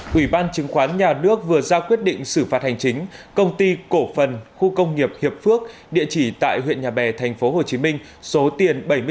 quỹ ban chứng khoán nhà nước vừa ra quyết định xử phạt hành chính công ty cổ phần khu công nghiệp hiệp phước địa chỉ tại huyện nhà bè tp hcm số tiền bảy mươi triệu đồng do công bố thông tin không đúng thời hạn theo quy định pháp luật